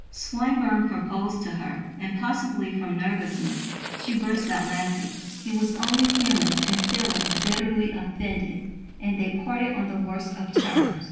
Swinburne proposed to her, and, possibly from nervousness, she burst out laughing. He was only human in feeling bitterly offended, and "they parted on the worst of terms."